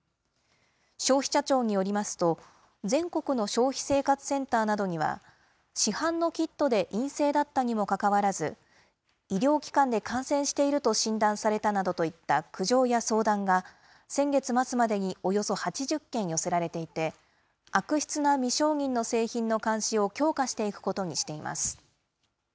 消費者庁によりますと、全国の消費生活センターなどには、市販のキットで陰性だったにもかかわらず、医療機関で感染していると診断されたなどといった苦情や相談が、先月末までにおよそ８０件寄せられていて、悪質な未承認の製品の監視を強化していくことにしています。